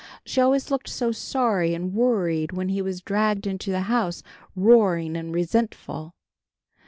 She always looked so sorry and worried when he was dragged into the house, roaring and resentful.